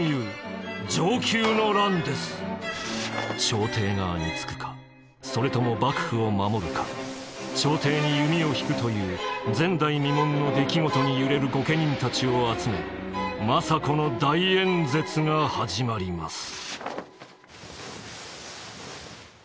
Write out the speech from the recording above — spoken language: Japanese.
朝廷側につくかそれとも幕府を守るか朝廷に弓を引くという前代未聞の出来事に揺れる御家人たちを集め政子の大演説が始まります。